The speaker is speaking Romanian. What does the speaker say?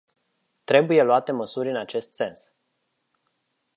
Trebuie luate măsuri în acest sens.